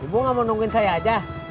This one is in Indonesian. ibu nggak mau nungguin saya aja